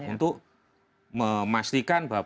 untuk memastikan bahwa